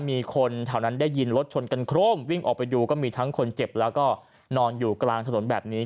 มีคนแถวนั้นได้ยินรถชนกันโครมวิ่งออกไปดูก็มีทั้งคนเจ็บแล้วก็นอนอยู่กลางถนนแบบนี้